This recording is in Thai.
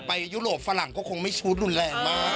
ยุโรปฝรั่งก็คงไม่ชู้รุนแรงมาก